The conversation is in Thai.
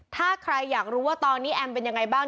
ถ้าใครอยากรู้ว่าตอนนี้แอมเป็นยังไงบ้าง